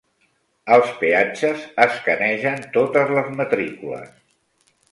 Els peatges escanegen totes les matrícules.